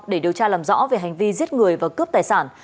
để điều tra làm rõ về hành vi giết người và cướp tài sản